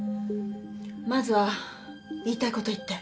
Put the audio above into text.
まずは言いたいこと言って。